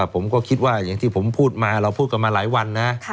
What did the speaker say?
ผมก็คิดว่าอย่างที่ผมพูดมาเราพูดกันมาหลายวันนะ